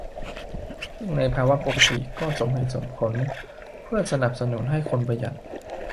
ซึ่งในภาวะปกติก็สมเหตุผลเพื่อสนับสนุนให้คนประหยัด